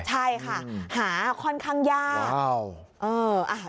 ใช่ค่ะหาค่อนข้างยาก